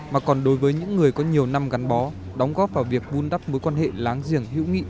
mà còn đối với những người có nhiều năm gắn bó đóng góp vào việc vun đắp mối quan hệ láng giềng hữu nghị